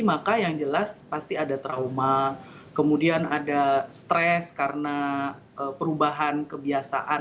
maka yang jelas pasti ada trauma kemudian ada stres karena perubahan kebiasaan